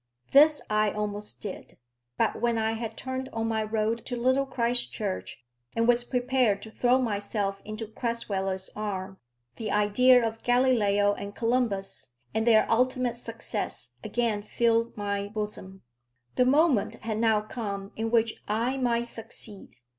This I almost did. But when I had turned on my road to Little Christchurch, and was prepared to throw myself into Crasweller's arms, the idea of Galileo and Columbus, and their ultimate success, again filled my bosom. The moment had now come in which I might succeed.